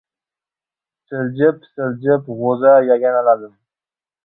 Siljib-siljib g‘o‘za yaganaladim.